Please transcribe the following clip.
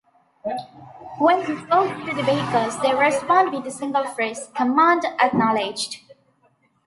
When he talks to the vehicles, they respond with a single phrase, "Command Acknowledged".